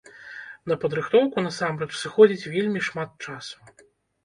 На падрыхтоўку насамрэч сыходзіць вельмі шмат часу.